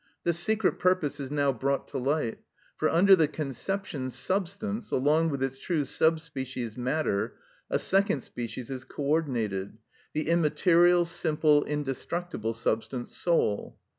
This secret purpose is now brought to light; for under the conception substance, along with its true sub species matter, a second species is co ordinated—the immaterial, simple, indestructible substance, soul.